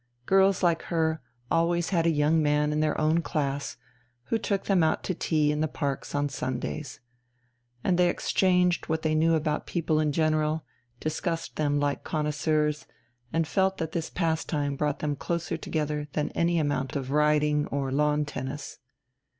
Girls like her always had a young man in their own class, who took them out to tea in the parks on Sundays. And they exchanged what they knew about people in general, discussed them like connoisseurs, and felt that this pastime brought them closer together than any amount of riding or lawn tennis.